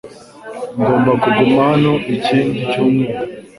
Ngomba kuguma hano ikindi cyumweru.